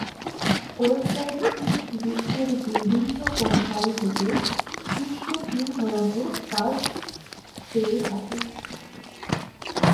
ওয়েবসাইটটি বিশ্বের বিভিন্ন কোম্পানি থেকে শীর্ষ তিন ধরনের কাজ পেয়ে থাকে।